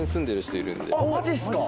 あっマジっすか？